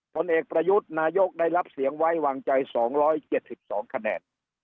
ผลเอกประยุทธ์นายกได้รับเสียงไว้วางใจ๒๗๒คะแนน